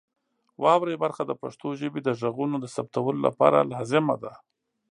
واورئ برخه د پښتو ژبې د غږونو د ثبتولو لپاره لازمه ده.